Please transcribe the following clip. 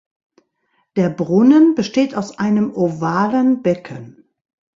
Der Brunnen besteht aus einem ovalen Becken.